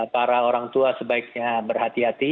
para orang tua sebaiknya berhati hati